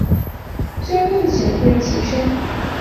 虽然梦醒不忍起身